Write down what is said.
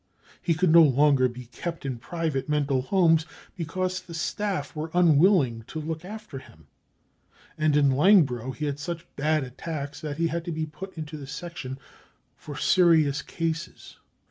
He could no longer be kept in private mental homes, because the staff were unwilling to look after him. And in Langbro he had such bad attacks that he had to be put into the section for serious cases.